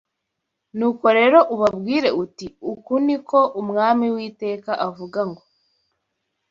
Nuko rero ubabwire uti Uku ni ko Umwami Uwiteka avuga ngo